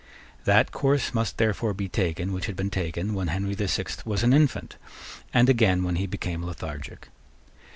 That course must therefore be taken which had been taken when Henry the Sixth was an infant, and again when he became lethargic.